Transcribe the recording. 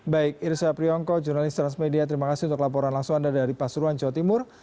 baik irsa priyongko jurnalis transmedia terima kasih untuk laporan langsung anda dari pasuruan jawa timur